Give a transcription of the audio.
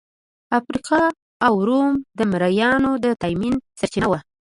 افریقا او روم د مریانو د تامین سرچینه وه.